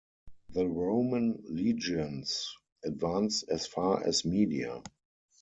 The Roman legions advanced as far as Media.